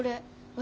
私